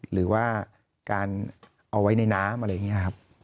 หรือว่าการเอาไว้ในน้ำอะไรอย่างนี้ครับ